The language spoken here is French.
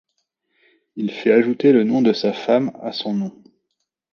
Il fait ajouter le nom de sa femme à son nom.